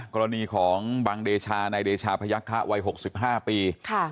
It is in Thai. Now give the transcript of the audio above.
กรณีของบังเดชานายเดชาพยักษะวัย๖๕ปี